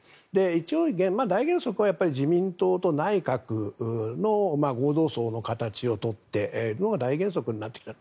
一応、大原則は自民党と内閣の合同葬の形をとっているのが大原則となっている。